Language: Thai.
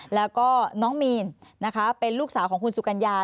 แล้วก็น้องมีนนะคะเป็นลูกสาวของคุณสุกัญญา